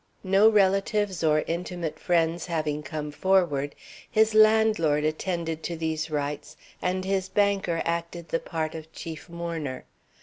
No relatives or intimate friends having come forward, his landlord attended to these rites and his banker acted the part of chief mourner.